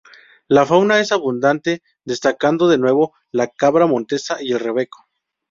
La fauna es abundante destacando de nuevo la cabra montesa y el rebeco.